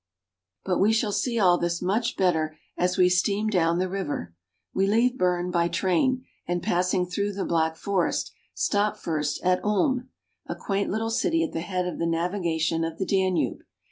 But we shall see all this much better as we steam down the river. We leave Bern by train, and passing through the Black Forest, stop first at Ulm, a quaint little city at the head of the navigation of the Danube.